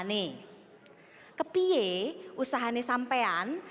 pertama usaha yang diberikan